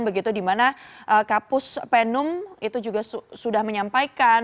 begitu dimana kapus penum itu juga sudah menyampaikan